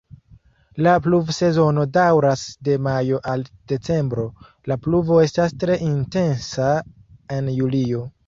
La pluvsezono daŭras de majo al decembro, la pluvo estas tre intensa en julio.